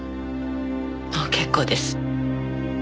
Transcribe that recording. もう結構です。